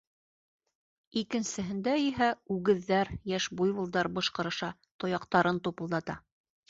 Икенсеһендә иһә — үгеҙҙәр: йәш буйволдар бышҡырыша, тояҡтарын тупылдата.